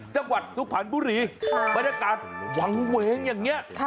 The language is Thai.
จังหวัดสุพรรณบุรีบรรยากาศหวังเวงอย่างนี้